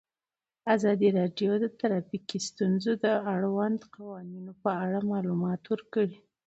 ازادي راډیو د ټرافیکي ستونزې د اړونده قوانینو په اړه معلومات ورکړي.